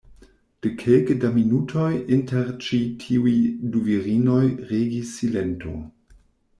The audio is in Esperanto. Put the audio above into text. De kelke da minutoj inter ĉi tiuj du virinoj regis silento.